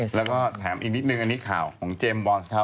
แล้วก็แถมอีกนิดนึงอันนี้ข่าวของเจมส์บอล